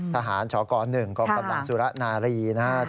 ทหารชก๑กตำรวจสุรนารี